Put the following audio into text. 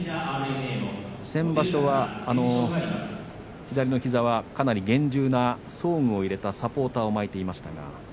先場所は左の膝はかなり厳重な装具を入れたサポーターを巻いていました。